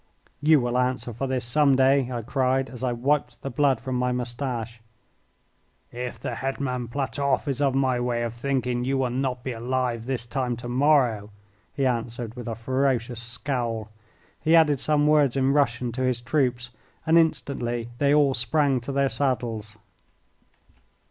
"You will answer for this some day," I cried, as I wiped the blood from my moustache. "If the Hetman Platoff is of my way of thinking you will not be alive this time to morrow," he answered, with a ferocious scowl. He added some words in Russian to his troops, and instantly they all sprang to their saddles.